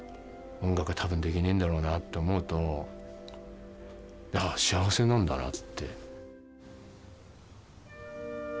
音楽は多分できねえんだろうなって思うとああ幸せなんだなって。